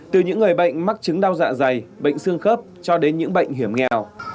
từ những người bệnh mắc chứng đau dạ dày bệnh xương khớp cho đến những bệnh hiểm nghèo